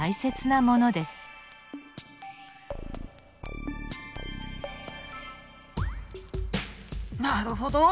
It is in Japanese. なるほど！